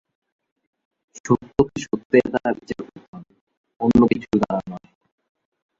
সত্যকে সত্যের দ্বারা বিচার করতে হবে, অন্য কিছুর দ্বারা নয়।